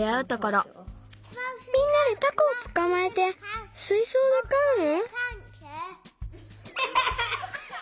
みんなでタコをつかまえてすいそうでかうの？